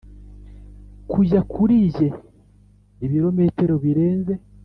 kujya kuri njye ibirometero birenze.